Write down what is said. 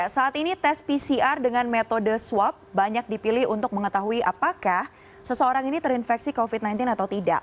saat ini tes pcr dengan metode swab banyak dipilih untuk mengetahui apakah seseorang ini terinfeksi covid sembilan belas atau tidak